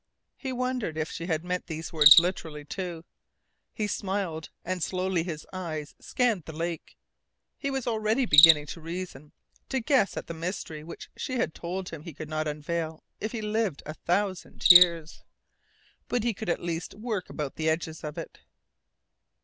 He wondered if she had meant these words literally, too. He smiled, and slowly his eyes scanned the lake. He was already beginning to reason, to guess at the mystery which she had told him he could not unveil if he lived a thousand years. But he could at least work about the edges of it.